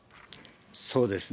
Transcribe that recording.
そうですね。